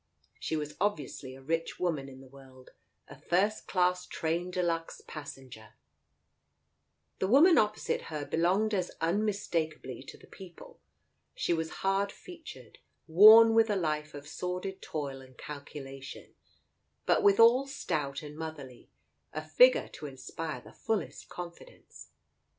She was obviously a rich woman in the world, a first class train de luxe passenger. The woman opposite her belonged as unmistakably to the people. She was hard featured, worn with a life of sordid toil and calculation, but withal stout and motherly, a figure to inspire the fullest confidence.